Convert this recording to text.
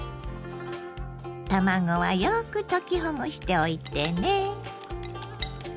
卵はよく溶きほぐしておいてね。